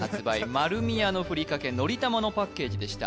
丸美屋のふりかけのりたまのパッケージでした